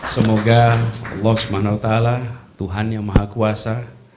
semoga allah swt tuhan yang maha kuasa